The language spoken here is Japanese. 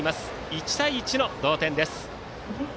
１対１の同点です。